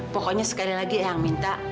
pokoknya sekali lagi yang minta